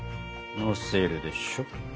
のせるでしょ。